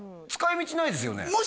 使い道ないですよね